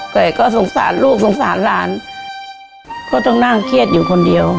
แต่ก็สงสารลูกสงสารหลานก็ต้องนั่งเครียดอยู่คนเดียว